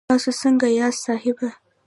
تاسو سنګه یاست صاحبه